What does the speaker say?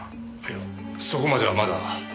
いやそこまではまだ。